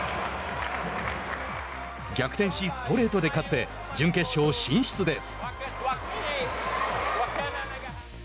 逆転し、ストレートで勝って準決勝進出です。